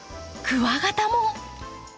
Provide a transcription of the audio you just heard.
クワガタも。